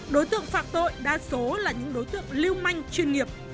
đối tượng phạm tội đa số là những đối tượng lưu manh chuyên nghiệp